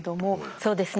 そうですね。